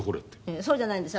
そうじゃないんですよ。